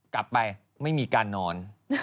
กลับไปไม่มีการนอน